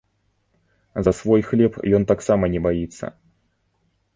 За свой хлеб ён таксама не баіцца.